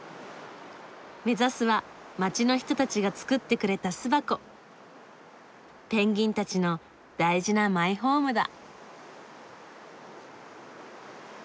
目指すは街の人たちが作ってくれた巣箱ペンギンたちの大事なマイホームだ。